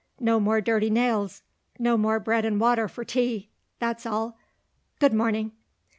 No more dirty nails. No more bread and water for tea. That's all. Good morning."